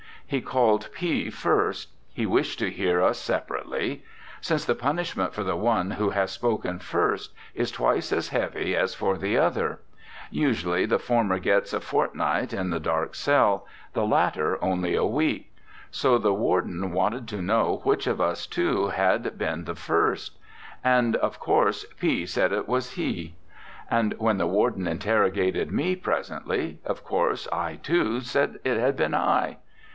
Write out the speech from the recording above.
He called P first ; he wished to hear us separately since the punishment for the one who has spoken first is twice as heavy as for the other; usually the former gets a fort night in the dark cell, the latter only a week; so the warden wanted to know which of us two had been the first. And 57 RECOLLECTIONS OF OSCAR WILDE of course P said he was. And when the warden interrogated me presently, of course I, too, said it had been I.